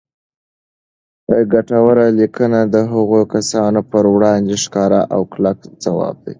ګټوره لیکنه د هغو کسانو پر وړاندې ښکاره او کلک ځواب دی